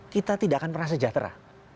kita tidak akan pernah sejahtera